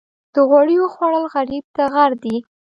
د غوړیو خوړل غریب ته غر دي.